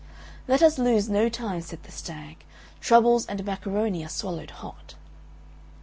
"Let us lose no time," said the Stag, "troubles and macaroni are swallowed hot."